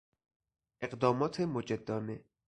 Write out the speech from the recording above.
اقدامات مجدانه